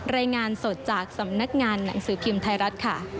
รายงานสดจากสำนักงานหนังสือพิมพ์ไทยรัฐค่ะ